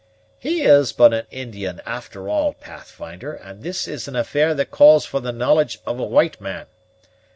"He is but an Indian, after all, Pathfinder; and this is an affair that calls for the knowledge of a white man.